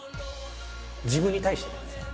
自分に対してね。